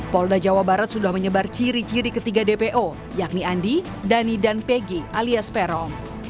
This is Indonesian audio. polda jawa barat sudah menyebar ciri ciri ketiga dpo yakni andi dhani dan pg alias peron